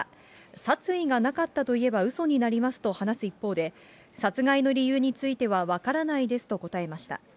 殺意がなかったといえばうそになりますと話す一方で、殺害の理由については分からないですと答えました。